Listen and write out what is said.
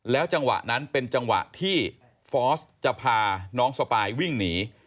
จังหวะนั้นเป็นจังหวะที่ฟอร์สจะพาน้องสปายวิ่งหนี